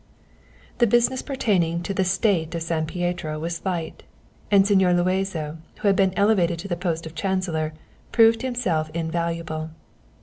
The business pertaining to the State of San Pietro was slight, and Señor Luazo, who had been elevated to the post of Chancellor, proved himself invaluable.